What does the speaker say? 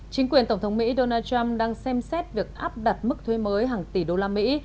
chính quyền tổng thống mỹ donald trump đang xem xét việc áp đặt mức thuê mới hàng tỷ usd